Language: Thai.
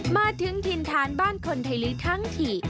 มาถึงถิ่นฐานบ้านคนไทยลื้อทั้งที